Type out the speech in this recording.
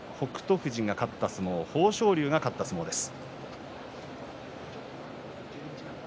富士が勝った相撲と豊昇龍が勝った相撲です。